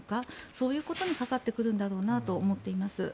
そういうことにかかってくるんだろうなと思っています。